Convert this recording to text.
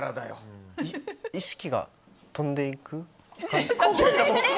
意識が飛んでいく。